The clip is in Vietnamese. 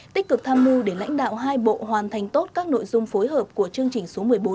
tích cực tham mưu để lãnh đạo hai bộ hoàn thành tốt các nội dung phối hợp của chương trình số một mươi bốn